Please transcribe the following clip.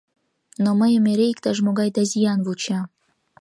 Но мыйым эре иктаж-могай да зиян вуча.